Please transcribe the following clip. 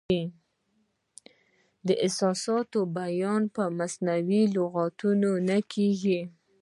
د احساساتو بیان په مصنوعي لغتونو نه کیږي.